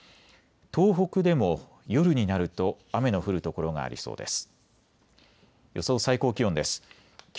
東北でも夜になると雨の降る所がありそうです。